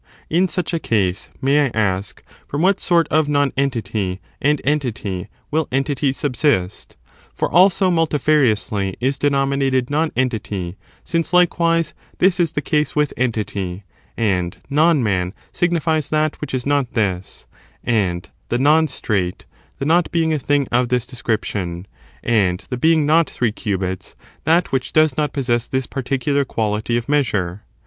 In such a case, may I ask, from what sort of nonentity and entity will entities subsist? for also multifariously is denominated nonentity, since, likewise, this is the case with entity; and non man signifies that which is not this, and the non straight the not being a thing of this description, and the being not three cubits that which does not possess this particular quality of measure.